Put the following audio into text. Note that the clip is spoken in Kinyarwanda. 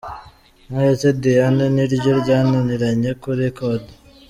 None se Diane ni ryo ryananiranye kurikoda!!